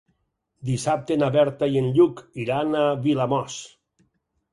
Dissabte na Berta i en Lluc iran a Vilamòs.